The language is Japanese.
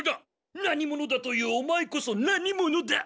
何者だと言うオマエこそ何者だ！